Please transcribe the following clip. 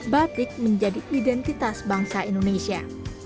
batik menjadi identitas bangsa indonesia